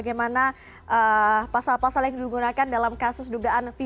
terima kasih bu eva sudah memberikan gambaran kepada kami soal ini